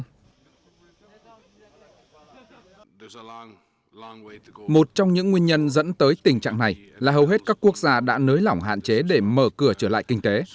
giáo sư michael osterholm đại học minnesota mỹ mô tả dịch covid một mươi chín dẫn tới tình trạng này là hầu hết các quốc gia đã nới lỏng hạn chế để mở cửa trở lại kinh tế